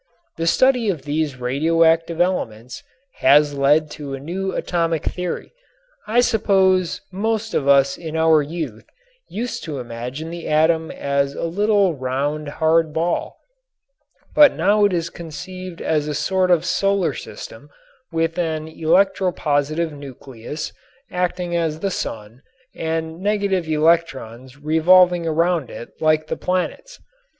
The study of these radioactive elements has led to a new atomic theory. I suppose most of us in our youth used to imagine the atom as a little round hard ball, but now it is conceived as a sort of solar system with an electropositive nucleus acting as the sun and negative electrons revolving around it like the planets.